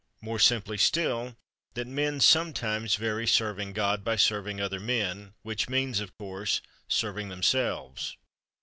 More simply still, that men sometimes vary serving God by serving other men, which means, of course, serving themselves.